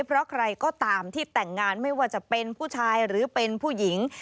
เพราะใครก็ตามที่แต่งงานไม่ว่าจะเป็นผู้ชายหรือเป็นผู้หญิง